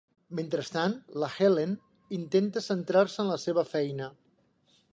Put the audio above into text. Mentrestant, la Helen intenta centrar-se en la seva feina.